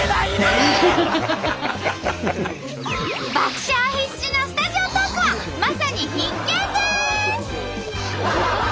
爆笑必至のスタジオトークはまさに必見です！